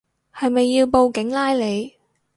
係咪要報警拉你